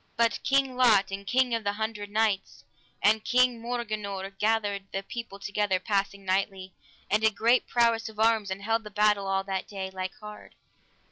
But King Lot, and King of the Hundred Knights, and King Morganore gathered the people together passing knightly, and did great prowess of arms, and held the battle all that day, like hard.